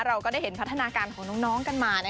เราก็ได้เห็นพัฒนาการของน้องกันมา